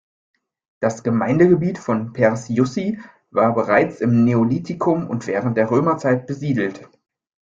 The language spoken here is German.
Das Gemeindegebiet von Pers-Jussy war bereits im Neolithikum und während der Römerzeit besiedelt.